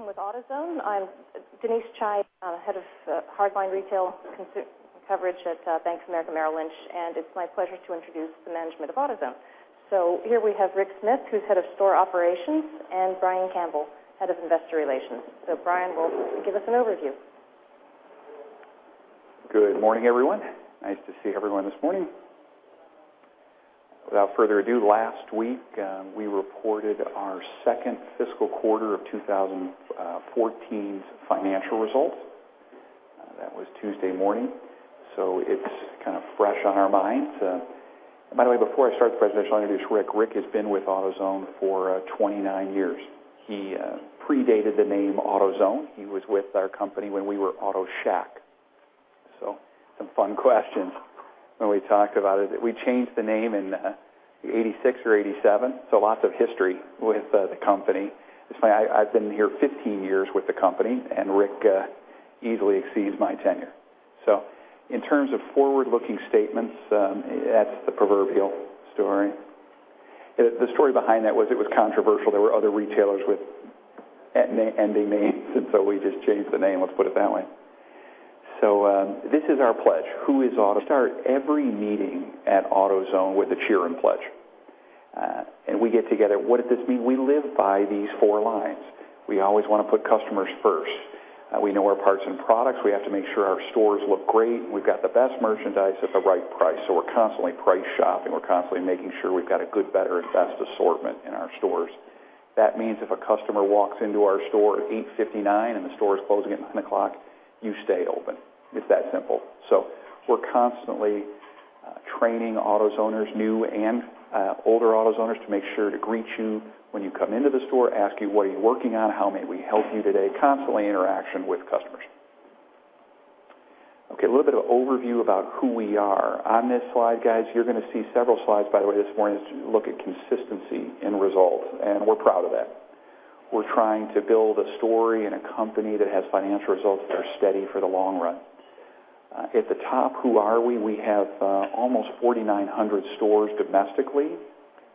Presentation with AutoZone. I'm Denise Chai, Head of Hardline Retail Coverage at Bank of America Merrill Lynch, it's my pleasure to introduce the management of AutoZone. Here we have Rick Smith, Head of Store Operations, and Brian Campbell, Head of Investor Relations. Brian will give us an overview. Good morning, everyone. Nice to see everyone this morning. Without further ado, last week, we reported our second fiscal quarter of 2014's financial results. That was Tuesday morning, it's kind of fresh on our minds. By the way, before I start the presentation, I'll introduce Rick. Rick has been with AutoZone for 29 years. He predated the name AutoZone. He was with our company when we were Auto Shack. Some fun questions when we talked about it. We changed the name in 1986 or 1987, lots of history with the company. I've been here 15 years with the company, Rick easily exceeds my tenure. In terms of forward-looking statements, that's the proverbial story. The story behind that was it was controversial. There were other retailers with ending names, we just changed the name, let's put it that way. This is our pledge. Start every meeting at AutoZone with a cheer and pledge. We get together, what does this mean? We live by these four lines. We always want to put customers first. We know our parts and products. We have to make sure our stores look great, we've got the best merchandise at the right price. We're constantly price shopping. We're constantly making sure we've got a good, better, and best assortment in our stores. That means if a customer walks into our store at 8:59 P.M. the store is closing at 9:00 P.M., you stay open. It's that simple. We're constantly training AutoZoners, new and older AutoZoners, to make sure to greet you when you come into the store, ask you, "What are you working on? How may we help you today?" Constantly interaction with customers. Okay, a little bit of overview about who we are. On this slide, guys, you're going to see several slides, by the way, this morning, to look at consistency in results, we're proud of that. We're trying to build a story and a company that has financial results that are steady for the long run. At the top, who are we? We have almost 4,900 stores domestically.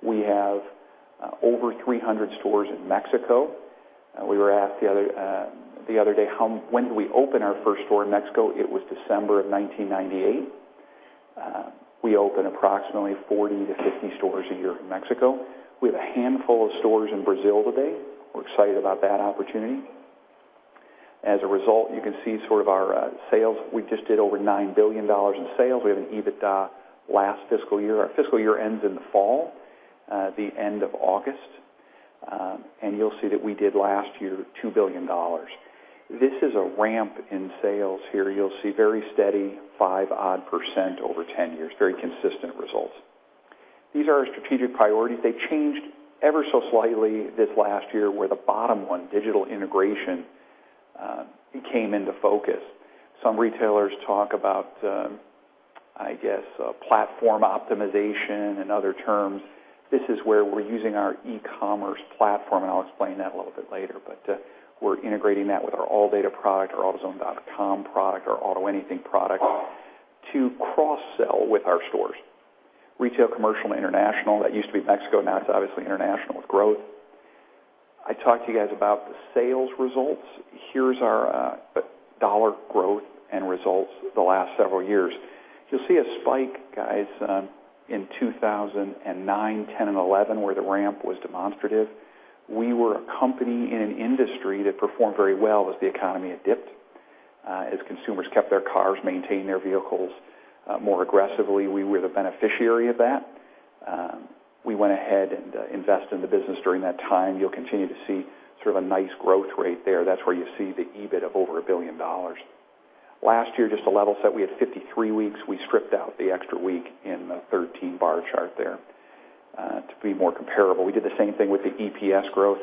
We have over 300 stores in Mexico. We were asked the other day, when did we open our first store in Mexico? It was December of 1998. We open approximately 40 to 50 stores a year in Mexico. We have a handful of stores in Brazil today. We're excited about that opportunity. As a result, you can see our sales. We just did over $9 billion in sales. We have an EBITDA last fiscal year. Our fiscal year ends in the fall, the end of August. You'll see that we did last year, $2 billion. This is a ramp in sales here. You'll see very steady, 5-odd% over 10 years, very consistent results. These are our strategic priorities. They changed ever so slightly this last year, where the bottom one, digital integration, came into focus. Some retailers talk about, I guess, platform optimization and other terms. This is where we're using our e-commerce platform. I'll explain that a little bit later. We're integrating that with our ALLDATA product, our autozone.com product, our AutoAnything product to cross-sell with our stores. Retail, commercial, and international. That used to be Mexico. Now it's obviously international with growth. I talked to you guys about the sales results. Here's our dollar growth and results the last several years. You'll see a spike, guys, in 2009, 2010, and 2011, where the ramp was demonstrative. We were a company in an industry that performed very well as the economy had dipped. As consumers kept their cars, maintained their vehicles more aggressively, we were the beneficiary of that. We went ahead and invested in the business during that time. You'll continue to see a nice growth rate there. That's where you see the EBIT of over $1 billion. Last year, just to level set, we had 53 weeks. We stripped out the extra week in the 13-bar chart there to be more comparable. We did the same thing with the EPS growth.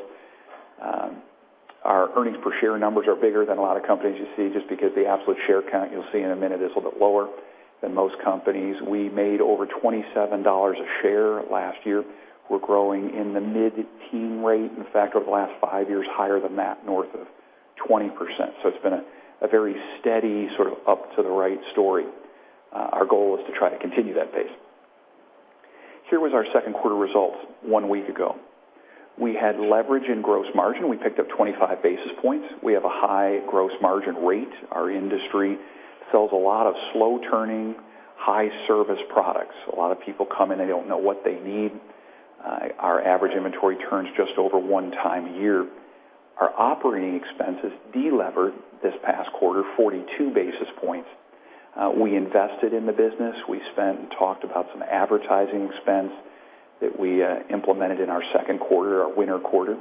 Our earnings per share numbers are bigger than a lot of companies you see just because the absolute share count, you'll see in a minute, is a little bit lower than most companies. We made over $27 a share last year. We're growing in the mid-teen rate. In fact, over the last five years, higher than that, north of 20%. It's been a very steady up to the right story. Our goal is to try to continue that pace. Here was our second quarter results one week ago. We had leverage in gross margin. We picked up 25 basis points. We have a high gross margin rate. Our industry sells a lot of slow-turning, high-service products. A lot of people come in, they don't know what they need. Our average inventory turns just over one time a year. Our operating expenses delevered this past quarter 42 basis points. We invested in the business. We spent and talked about some advertising expense that we implemented in our second quarter, our winter quarter.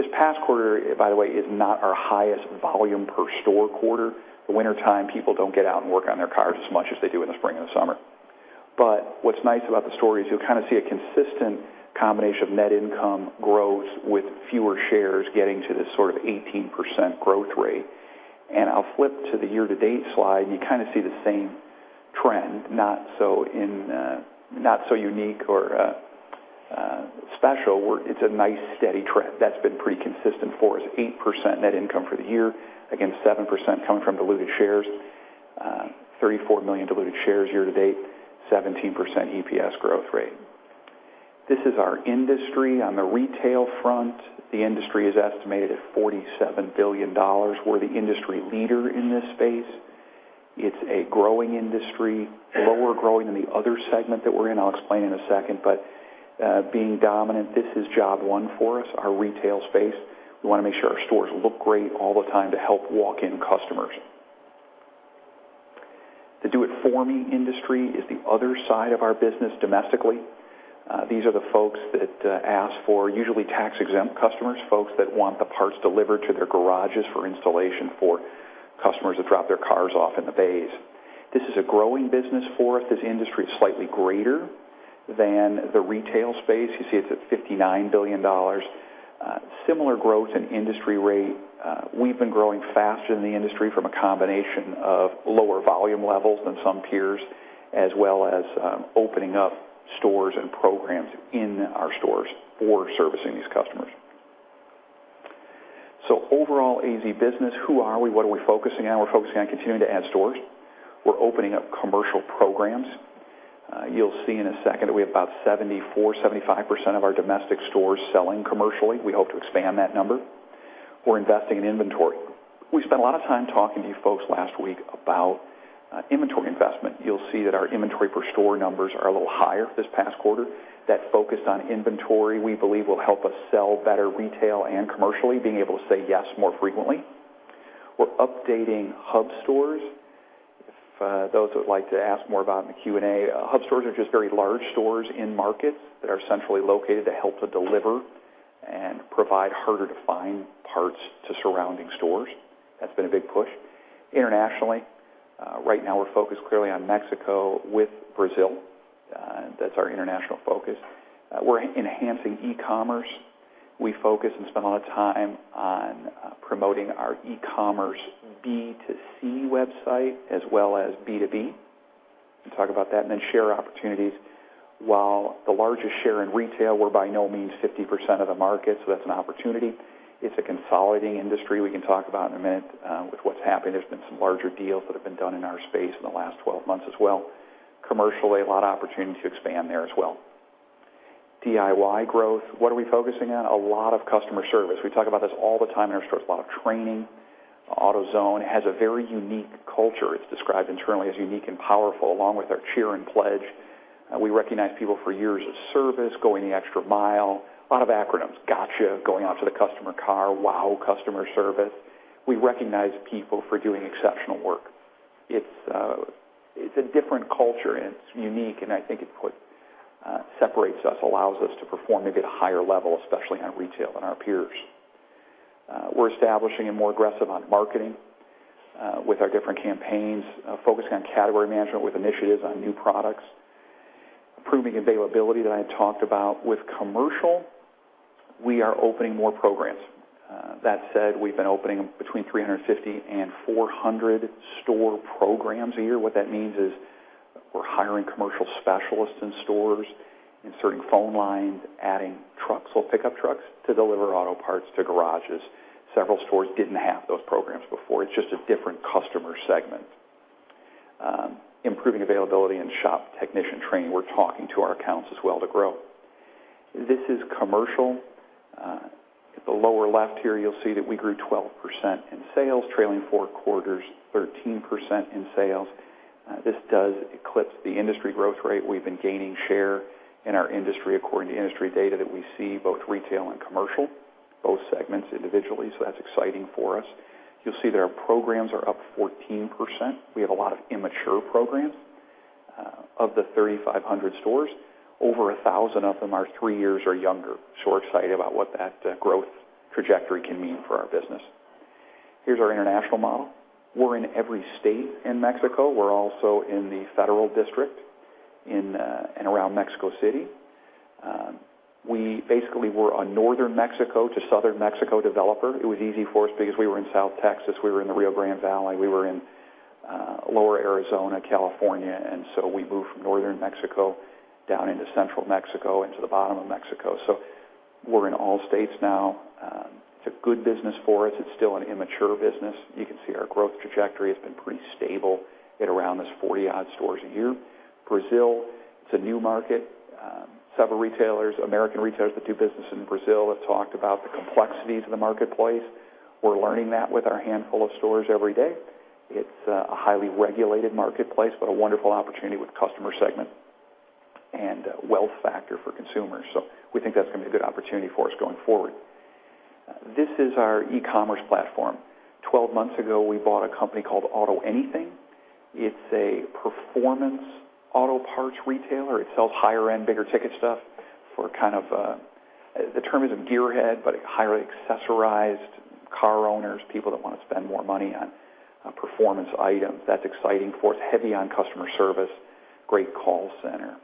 This past quarter, by the way, is not our highest volume per store quarter. The wintertime, people don't get out and work on their cars as much as they do in the spring and summer. What's nice about the story is you'll see a consistent combination of net income growth with fewer shares getting to this 18% growth rate. I'll flip to the year-to-date slide, and you see the same trend, not so unique or special, where it's a nice steady trend. That's been pretty consistent for us. 8% net income for the year against 7% coming from diluted shares. 34 million diluted shares year-to-date, 17% EPS growth rate. This is our industry on the retail front. The industry is estimated at $47 billion. We're the industry leader in this space. It's a growing industry, lower growing than the other segment that we're in. Being dominant, this is job one for us, our retail space. We want to make sure our stores look great all the time to help walk-in customers. The Do It For Me industry is the other side of our business domestically. These are the folks that ask for, usually tax-exempt customers, folks that want the parts delivered to their garages for installation, for customers that drop their cars off in the bays. This is a growing business for us. This industry is slightly greater than the retail space. You see it's at $59 billion. Similar growth in industry rate. We've been growing faster than the industry from a combination of lower volume levels than some peers, as well as opening up stores and programs in our stores for servicing these customers. Overall AZ business, who are we? What are we focusing on? We're focusing on continuing to add stores. We're opening up commercial programs. You'll see in a second that we have about 74%-75% of our domestic stores selling commercially. We hope to expand that number. We're investing in inventory. We spent a lot of time talking to you folks last week about inventory investment. You'll see that our inventory per store numbers are a little higher this past quarter. That focus on inventory, we believe, will help us sell better retail and commercially, being able to say yes more frequently. We're updating hub stores. For those who would like to ask more about in the Q&A, hub stores are just very large stores in markets that are centrally located to help to deliver and provide harder-to-find parts to surrounding stores. That's been a big push. Internationally, right now we're focused clearly on Mexico with Brazil. That's our international focus. We're enhancing e-commerce. We focus and spend a lot of time on promoting our e-commerce B2C website as well as B2B. We'll talk about that. Then share opportunities. While the largest share in retail, we're by no means 50% of the market, that's an opportunity. It's a consolidating industry. We can talk about in a minute with what's happened. There's been some larger deals that have been done in our space in the last 12 months as well. Commercially, a lot of opportunity to expand there as well. DIY growth, what are we focusing on? A lot of customer service. We talk about this all the time in our stores. A lot of training. AutoZone has a very unique culture. It's described internally as unique and powerful, along with our cheer and pledge. We recognize people for years of service, going the extra mile. A lot of acronyms. GOTCHA, going out to the customer car. WOW customer service. We recognize people for doing exceptional work. It's a different culture, and it's unique, and I think it's what separates us, allows us to perform maybe at a higher level, especially on retail than our peers. We're establishing and more aggressive on marketing with our different campaigns, focusing on category management with initiatives on new products. Improving availability that I had talked about. With commercial, we are opening more programs. That said, we've been opening between 350 and 400 store programs a year. What that means is we're hiring commercial specialists in stores, inserting phone lines, adding trucks, little pickup trucks, to deliver auto parts to garages. Several stores didn't have those programs before. It's just a different customer segment. Improving availability and shop technician training. We're talking to our accounts as well to grow. This is commercial. At the lower left here, you'll see that we grew 12% in sales, trailing four quarters, 13% in sales. This does eclipse the industry growth rate. We've been gaining share in our industry according to industry data that we see, both retail and commercial, both segments individually. That's exciting for us. You'll see that our programs are up 14%. We have a lot of immature programs. Of the 3,500 stores, over 1,000 of them are three years or younger. We're excited about what that growth trajectory can mean for our business. Here's our international model. We're in every state in Mexico. We're also in the Federal District in and around Mexico City. Basically, we're a Northern Mexico to Southern Mexico developer. It was easy for us because we were in South Texas, we were in the Rio Grande Valley, we were in lower Arizona, California. We moved from Northern Mexico down into Central Mexico into the bottom of Mexico. We're in all states now. It's a good business for us. It's still an immature business. You can see our growth trajectory has been pretty stable at around this 40-odd stores a year. Brazil, it's a new market. Several retailers, American retailers that do business in Brazil have talked about the complexities of the marketplace. We're learning that with our handful of stores every day. It's a highly regulated marketplace, but a wonderful opportunity with customer segment and wealth factor for consumers. We think that's going to be a good opportunity for us going forward. This is our e-commerce platform. 12 months ago, we bought a company called AutoAnything. It's a performance auto parts retailer. It sells higher-end, bigger-ticket stuff for kind of, the term is a gearhead, but highly accessorized car owners, people that want to spend more money on performance items. That's exciting for us. Heavy on customer service, great call center.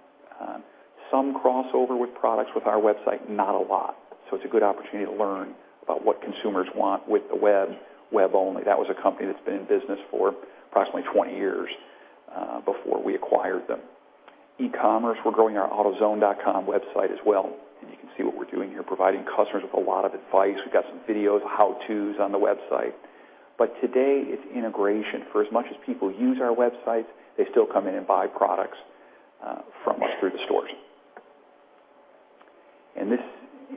Some crossover with products with our website, not a lot. It's a good opportunity to learn about what consumers want with the web only. That was a company that's been in business for approximately 20 years. Before we acquired them. E-commerce, we're growing our autozone.com website as well, and you can see what we're doing here, providing customers with a lot of advice. We've got some videos, how-to's on the website. Today, it's integration. For as much as people use our websites, they still come in and buy products from us through the stores. This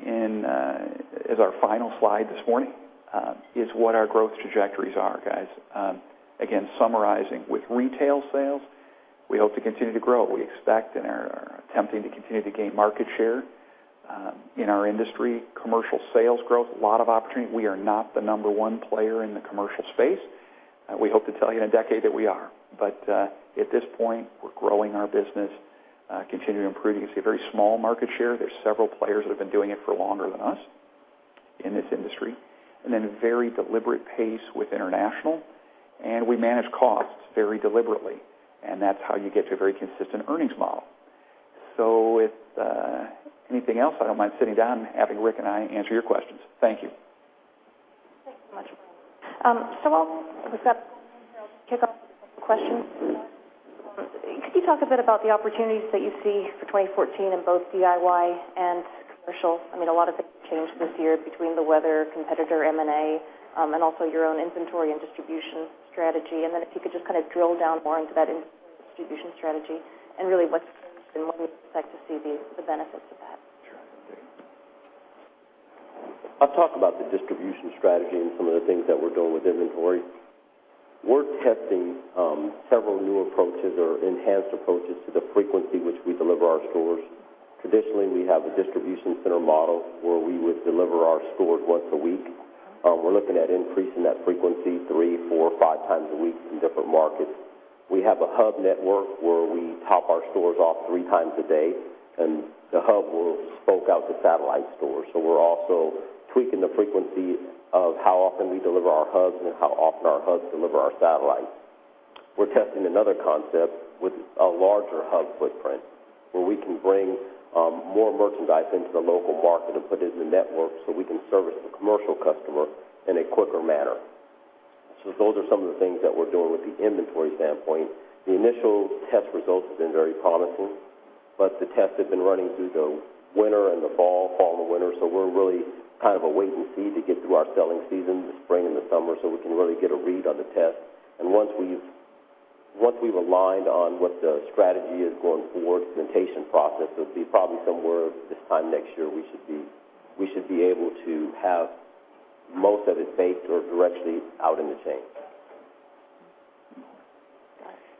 is our final slide this morning, is what our growth trajectories are, guys. Again, summarizing, with retail sales, we hope to continue to grow. We expect and are attempting to continue to gain market share in our industry. Commercial sales growth, a lot of opportunity. We are not the number one player in the commercial space. We hope to tell you in a decade that we are. At this point, we're growing our business, continuing improving. You see a very small market share. There's several players that have been doing it for longer than us in this industry. A very deliberate pace with international, we manage costs very deliberately, that's how you get to a very consistent earnings model. With anything else, I don't mind sitting down and having Rick and I answer your questions. Thank you. Thanks so much. While we've got to kick off questions, could you talk a bit about the opportunities that you see for 2014 in both DIY and commercial? A lot of things changed this year between the weather, competitor M&A, and also your own inventory and distribution strategy. Then if you could just drill down more into that inventory and distribution strategy and really what's and when we expect to see the benefits of that. Sure. Okay. I'll talk about the distribution strategy and some of the things that we're doing with inventory. We're testing several new approaches or enhanced approaches to the frequency which we deliver our stores. Traditionally, we have a distribution center model where we would deliver our stores once a week. We're looking at increasing that frequency three, four, five times a week in different markets. We have a hub network where we top our stores off three times a day, and the hub will spoke out to satellite stores. We're also tweaking the frequency of how often we deliver our hubs and how often our hubs deliver our satellites. We're testing another concept with a larger hub footprint where we can bring more merchandise into the local market and put it in the network so we can service the commercial customer in a quicker manner. Those are some of the things that we're doing with the inventory standpoint. The initial test results have been very promising, but the tests have been running through the winter and the fall and the winter, we're really kind of a wait and see to get through our selling season, the spring and the summer, so we can really get a read on the test. Once we've aligned on what the strategy is going forward, the implementation process will be probably somewhere this time next year, we should be able to have most of it baked or directly out in the chain.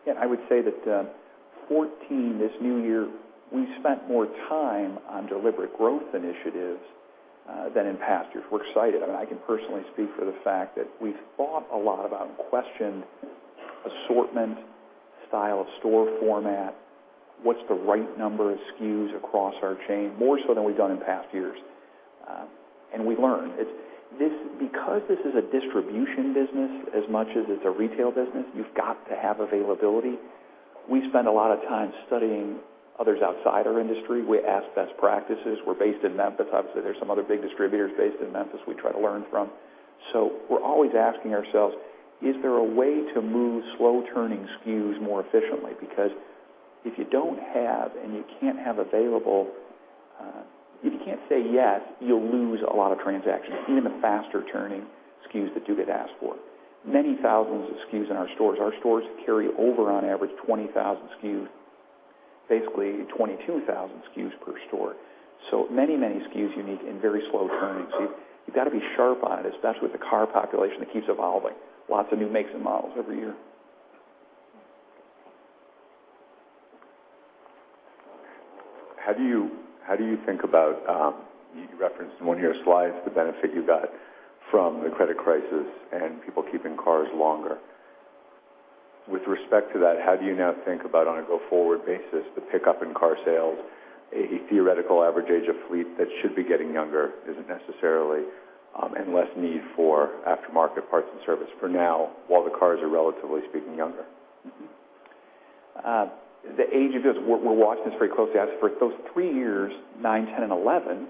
Got it. I would say that 2014, this new year, we spent more time on deliberate growth initiatives than in past years. We're excited. I can personally speak for the fact that we've thought a lot about and questioned assortment, style of store format, what's the right number of SKUs across our chain, more so than we've done in past years. We learned. Because this is a distribution business as much as it's a retail business, you've got to have availability. We spend a lot of time studying others outside our industry. We ask best practices. We're based in Memphis. Obviously, there's some other big distributors based in Memphis we try to learn from. We're always asking ourselves, "Is there a way to move slow-turning SKUs more efficiently?" Because if you don't have and you can't have available, if you can't say yes, you'll lose a lot of transactions, even the faster-turning SKUs that do get asked for. Many thousands of SKUs in our stores. Our stores carry over on average 20,000 SKUs, basically 22,000 SKUs per store. Many SKUs you need in very slow turning. You've got to be sharp on it, especially with the car population that keeps evolving. Lots of new makes and models every year. Okay. How do you think about, you referenced in one of your slides the benefit you got from the credit crisis and people keeping cars longer. With respect to that, how do you now think about, on a go-forward basis, the pickup in car sales, a theoretical average age of fleet that should be getting younger isn't necessarily, and less need for aftermarket parts and service for now while the cars are, relatively speaking, younger? The age of this, we're watching this very closely to ask for those three years, 2009, 2010, and 2011,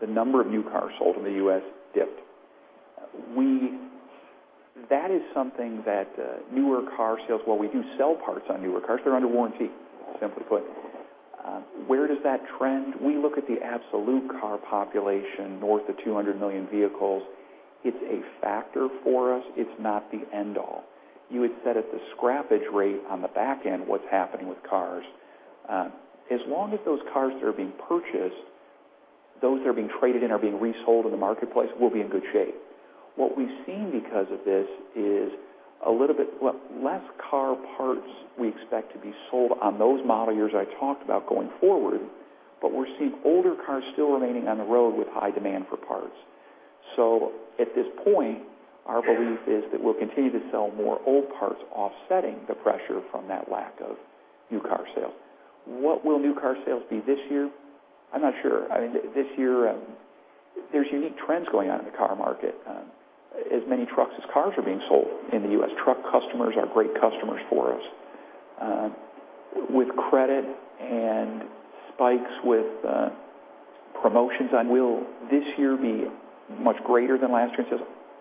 the number of new cars sold in the U.S. dipped. That is something that newer car sales, while we do sell parts on newer cars, they're under warranty, simply put. Where does that trend? We look at the absolute car population north of 200 million vehicles. It's a factor for us. It's not the end-all. You would set at the scrappage rate on the back end what's happening with cars. As long as those cars are being purchased, those that are being traded in are being resold in the marketplace, we'll be in good shape. What we've seen because of this is a little bit less car parts we expect to be sold on those model years I talked about going forward, but we're seeing older cars still remaining on the road with high demand for parts. At this point, our belief is that we'll continue to sell more old parts offsetting the pressure from that lack of new car sales. What will new car sales be this year? I'm not sure. This year, there's unique trends going on in the car market. As many trucks as cars are being sold in the U.S. Truck customers are great customers for us. With credit and spikes with promotions on will this year be much greater than last year?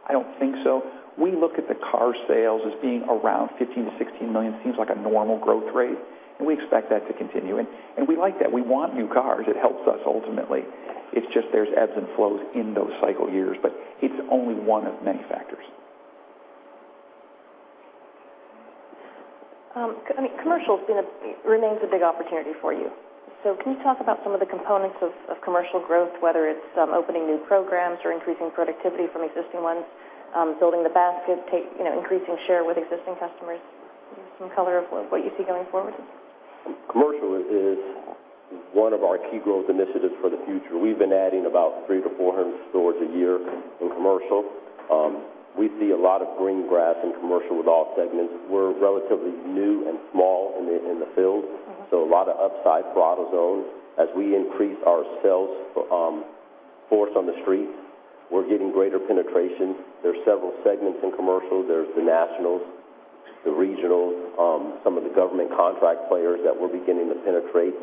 I don't think so. We look at the car sales as being around 15 million to 16 million, seems like a normal growth rate, and we expect that to continue. We like that. We want new cars. It helps us ultimately. It's just there's ebbs and flows in those cycle years, but it's only one of many factors. Commercial remains a big opportunity for you. Can you talk about some of the components of Commercial growth, whether it's opening new programs or increasing productivity from existing ones, building the basket, increasing share with existing customers? Can you give some color of what you see going forward? Commercial is one of our key growth initiatives for the future. We've been adding about 300-400 stores a year in Commercial. We see a lot of green grass in Commercial with all segments. We're relatively new and small in the field, so a lot of upside for AutoZone. As we increase our sales force on the street, we're getting greater penetration. There's several segments in Commercial. There's the nationals, the regionals, some of the government contract players that we're beginning to penetrate.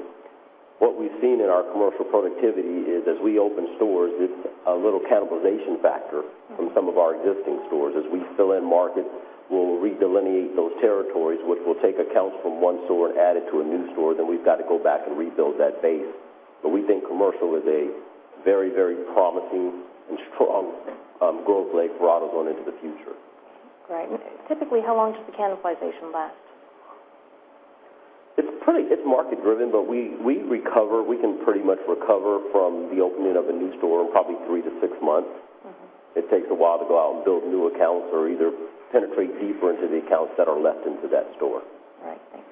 What we've seen in our Commercial productivity is as we open stores, it's a little cannibalization factor from some of our existing stores. As we fill in markets, we'll redelineate those territories, which will take accounts from one store and add it to a new store, then we've got to go back and rebuild that base. We think Commercial is a very, very promising and strong growth leg for AutoZone into the future. Great. Typically, how long does the cannibalization last? It's market-driven, we can pretty much recover from the opening of a new store in probably three to six months. It takes a while to go out and build new accounts or either penetrate deeper into the accounts that are left into that store. Right, thanks.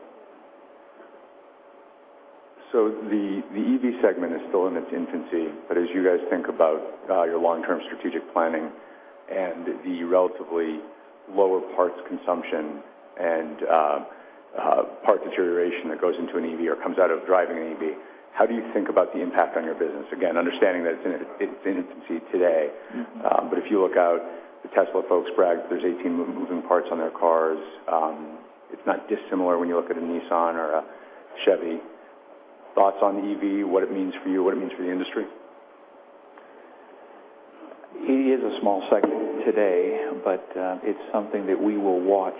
The EV segment is still in its infancy, as you guys think about your long-term strategic planning and the relatively lower parts consumption and parts deterioration that goes into an EV or comes out of driving an EV, how do you think about the impact on your business? Again, understanding that it's in its infancy today. If you look out, the Tesla folks brag there's 18 moving parts on their cars. It's not dissimilar when you look at a Nissan or a Chevy. Thoughts on the EV, what it means for you, what it means for the industry? EV is a small segment today, but it's something that we will watch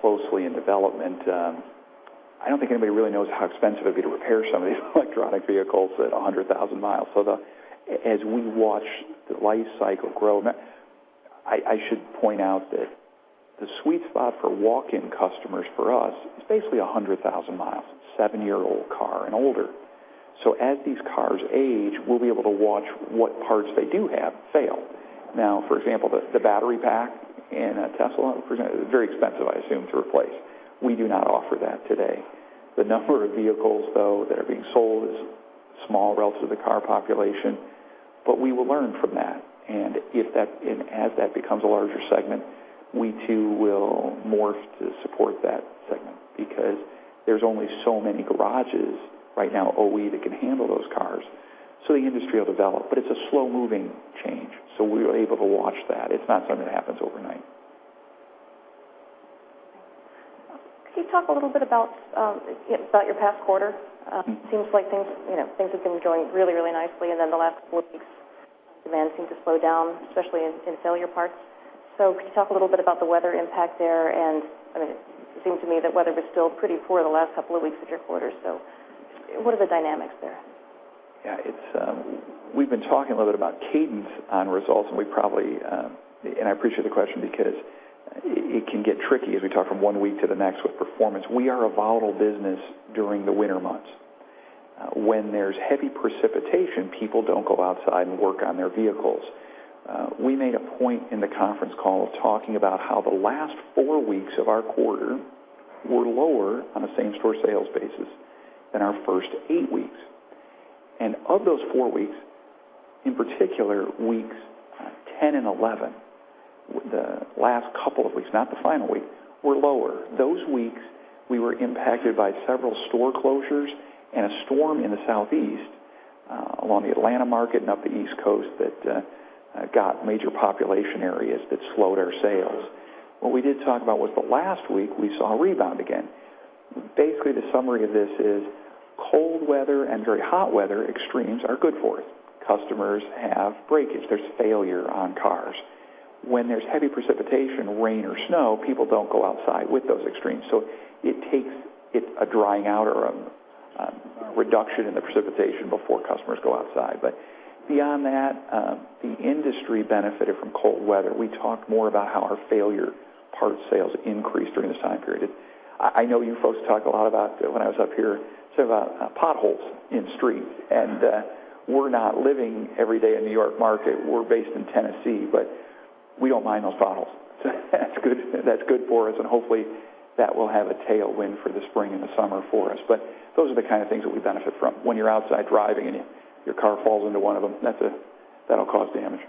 closely in development. I don't think anybody really knows how expensive it'd be to repair some of these electronic vehicles at 100,000 miles. As we watch the life cycle grow, I should point out that the sweet spot for walk-in customers for us is basically 100,000 miles, seven-year-old car and older. As these cars age, we'll be able to watch what parts they do have fail. Now, for example, the battery pack in a Tesla, very expensive, I assume, to replace. We do not offer that today. The number of vehicles, though, that are being sold is small relative to car population, we will learn from that. As that becomes a larger segment, we too will morph to support that segment because there's only so many garages right now, OE, that can handle those cars. The industry will develop, it's a slow-moving change, we are able to watch that. It's not something that happens overnight. Can you talk a little bit about your past quarter? Seems like things have been going really, really nicely, the last four weeks, demand seemed to slow down, especially in failure parts. Can you talk a little bit about the weather impact there? It seems to me that weather was still pretty poor the last couple of weeks of your quarter. What are the dynamics there? Yeah. We've been talking a little bit about cadence on results, I appreciate the question because it can get tricky as we talk from one week to the next with performance. We are a volatile business during the winter months. When there's heavy precipitation, people don't go outside and work on their vehicles. We made a point in the conference call of talking about how the last four weeks of our quarter were lower on a same-store sales basis than our first eight weeks. Of those four weeks, in particular, weeks 10 and 11, the last couple of weeks, not the final week, were lower. Those weeks, we were impacted by several store closures and a storm in the southeast along the Atlanta market and up the East Coast that got major population areas that slowed our sales. What we did talk about was the last week, we saw a rebound again. Basically, the summary of this is cold weather and very hot weather extremes are good for us. Customers have breakage. There's failure on cars. When there's heavy precipitation, rain or snow, people don't go outside with those extremes. It takes a drying out or a reduction in the precipitation before customers go outside. Beyond that, the industry benefited from cold weather. We talked more about how our failure parts sales increased during this time period. I know you folks talk a lot about, when I was up here, sort of potholes in street, and we're not living every day in New York market. We're based in Tennessee, but we don't mind those potholes. That's good for us, and hopefully, that will have a tailwind for the spring and the summer for us. Those are the kind of things that we benefit from. When you're outside driving and your car falls into one of them, that'll cause damage.